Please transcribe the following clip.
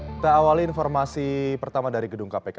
kita awali informasi pertama dari gedung kpk